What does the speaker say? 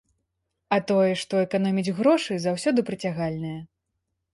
А тое, што эканоміць грошы, заўсёды прыцягальнае.